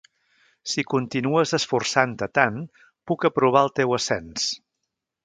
Si continues esforçant-te tant, puc aprovar el teu ascens.